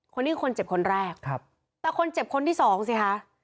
คนเจ็บคนแรกครับแต่คนเจ็บคนที่สองสิคะ